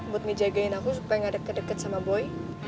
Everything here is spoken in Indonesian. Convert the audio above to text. buat ngejagain aku supaya gak deket deket sama boy